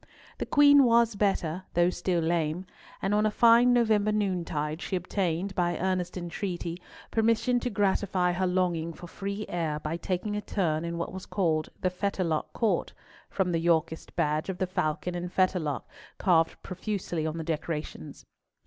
The Queen was better, though still lame; and on a fine November noontide she obtained, by earnest entreaty, permission to gratify her longing for free air by taking a turn in what was called the Fetterlock Court, from the Yorkist badge of the falcon and fetterlock carved profusely on the decorations.